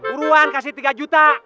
uruan kasih tiga juta